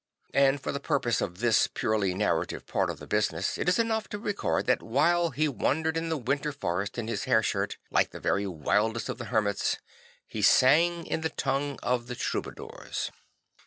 And for the purpose of this purely narrative part of the business, it is enough to record that while he wandered in the winter forest in his hair shirt, like the very wildest of the hermits, he sang in the tongue of the Troubadours.